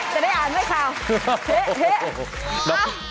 จะได้อ่านไหมครับ